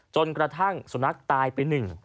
จนกระทั่งสุนัขตายไปหนึ่ง